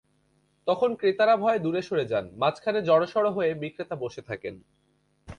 তখন ক্রেতারা ভয়ে দূরে সরে যান, মাঝখানে জড়োসড়ো হয়ে বিক্রেতা বসে থাকেন।